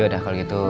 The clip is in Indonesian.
yaudah kalo gitu